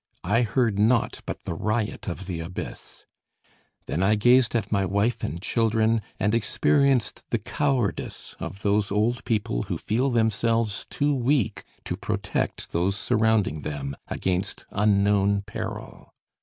I heard naught but the riot of the abyss. Then I gazed at my wife and children, and experienced the cowardice of those old people who feel themselves too weak to protect those surrounding them against unknown peril.